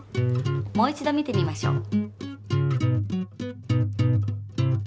もう一度見てみましょう。